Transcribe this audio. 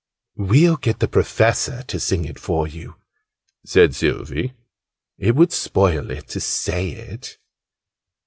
"We'll get the Professor to sing it for you," said Sylvie. "It would spoil it to say it."